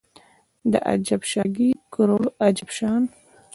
د اجب شاګۍ کروړو عجب شان